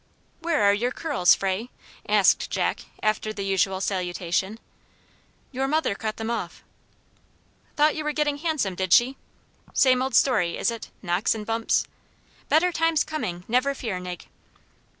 "Where are your curls, Fra?" asked Jack, after the usual salutation. "Your mother cut them off." "Thought you were getting handsome, did she? Same old story, is it; knocks and bumps? Better times coming; never fear, Nig."